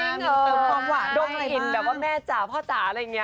มีเติมความหวานด้วยด้วยแบบว่าแม่จ๋าพ่อจ๋าอะไรอย่างเงี้ย